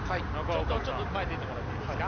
ちょっと前出てもらっていいですか？